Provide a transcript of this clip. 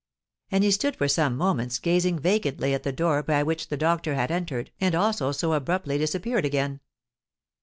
And he stood for some moments gazing vacantly at the door by which the doctor had entered and also so abruptly disappeared again.